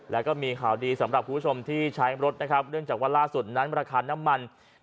แล้วก็มีข่าวดีสำหรับคุณผู้ชมที่ใช้รถนะครับเนื่องจากว่าล่าสุดนั้นราคาน้ำมัน